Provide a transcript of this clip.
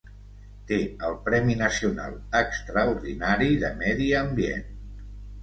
Té el Premi Nacional Extraordinari de Medi Ambient.